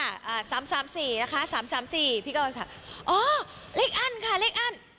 ๓๓๔นะคะ๓๓๔พี่ก็ไปค่ะอ๋อเลขอั้นค่ะเลขอั้น